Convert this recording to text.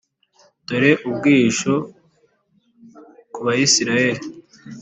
Dore ubwihisho ku Bayisraheli.